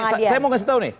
nah ini saya mau kasih tau nih